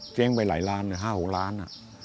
แจ้งไปหลายล้าน๕๖ล้าน